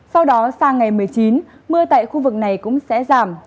sau đó sang ngày một mươi chín mưa tại khu vực này càng lớn hơn